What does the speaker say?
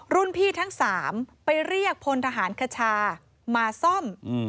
รุ่นพี่ทั้ง๓ไปเรียกพลทหารคชามาซ่อม